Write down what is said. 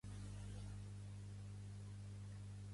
Altres per l'afecte que tindria el gènere pels llocs assolellats.